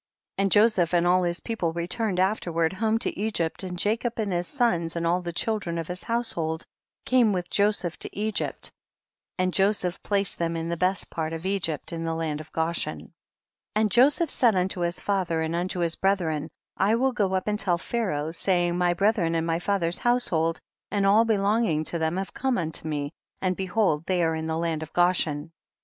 And Joseph and all his people returned afterward home to Egypt, and Jacob and his sons and all the children of his household came with Joseph to Egypt, and Joseph placed them in the best part of Egypt, in the land of Goshen. 19. And Joseph said unto his fa ther and unto his brethren, I will go up and tell Pharaoh, saying, my bre thren and my father's household and all belonging to them have come unto me, and behold they are in the land of Goshen.